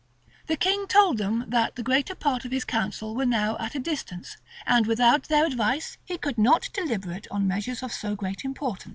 [] The king told them that the greater part of his council were now at a distance, and without their advice he could not deliberate on measures of so great importance.